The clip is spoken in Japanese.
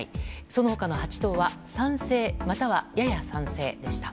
その他の８党は賛成、またはやや賛成でした。